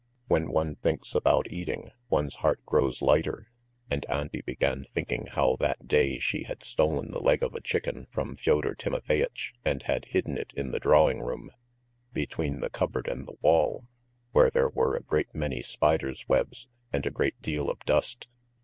When one thinks about eating one's heart grows lighter, and Auntie began thinking how that day she had stolen the leg of a chicken from Fyodor Timofeyitch, and had hidden it in the drawing room, between the cupboard and the wall, where there were a great many spiders' webs and a great deal of dust.